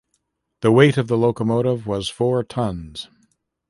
The weight of the locomotive was four tons.